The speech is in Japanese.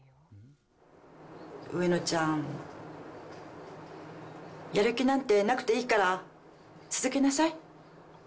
上野ちゃん、やる気なんてなくていいから、続けなさい。